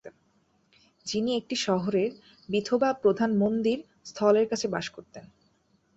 যিনি একটি শহরের বিঠোবা প্রধান মন্দির স্থলের কাছে বাস করতেন।